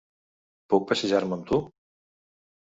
Puc passejar-me amb tu?